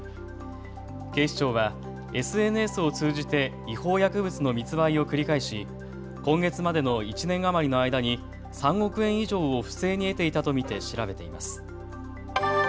警視庁はＳＮＳを通じて違法薬物の密売を繰り返し今月までの１年余りの間に３億円以上を不正に得ていたと見て調べています。